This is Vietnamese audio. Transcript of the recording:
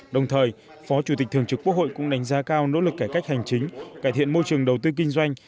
đồng thời phó chủ tịch thường trực quốc hội cũng đánh giá cao nỗ lực cải cách hành chính cải thiện môi trường đầu tư kinh doanh